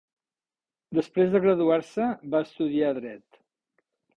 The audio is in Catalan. Després de graduar-se, va estudiar Dret.